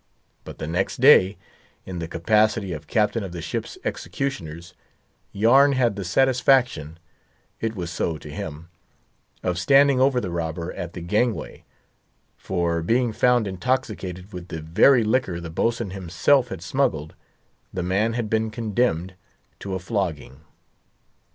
But the next day, in the capacity of captain of the ship's executioners, Yarn had the satisfaction (it was so to him) of standing over the robber at the gangway; for, being found intoxicated with the very liquor the boatswain himself had smuggled, the man had been condemned to a flogging.